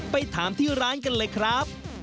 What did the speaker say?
ไปถามที่ร้านกันเลยครับ